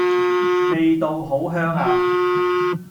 味道好香呀